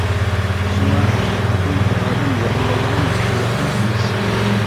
شۇڭا ئەقىل بىر ئادەم يادلىۋالىدىغان نەرسىلا ئەمەس.